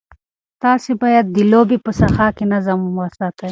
تاسي باید د لوبې په ساحه کې نظم وساتئ.